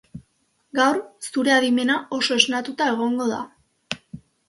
Gaur, zure adimena oso esnatuta egongo da.